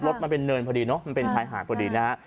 มันเป็นเนินพอดีเนอะมันเป็นชายหาดพอดีนะฮะ